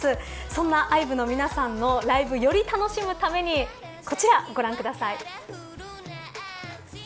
そんなＩＶＥの皆さんのライブをより楽しむためにこちら、ご覧ください。